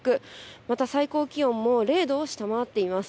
また最高気温も０度を下回っています。